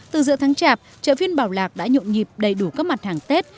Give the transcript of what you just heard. từ giữa tháng chạp chợ phiên bảo lạc đã nhộn nhịp đầy đủ các mặt hàng tết